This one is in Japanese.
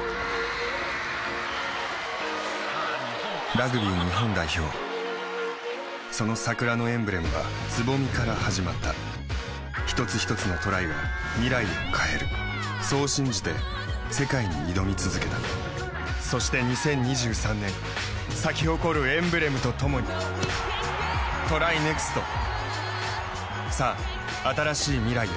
・ラグビー日本代表その桜のエンブレムは蕾から始まった一つひとつのトライが未来を変えるそう信じて世界に挑み続けたそして２０２３年咲き誇るエンブレムとともにＴＲＹＮＥＸＴさあ、新しい未来へ。